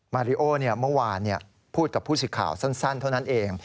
ริโอเมื่อวานพูดกับผู้สื่อข่าวสั้นเท่านั้นเอง